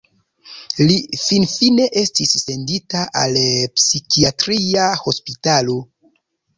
Li finfine estis sendita al psikiatria hospitalo.